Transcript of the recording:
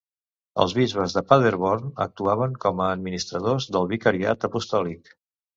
Els bisbes de Paderborn actuaven com a administradors del vicariat apostòlic.